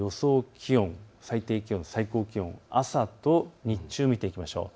気温、最低気温、最高気温朝と日中、見ていきましょう。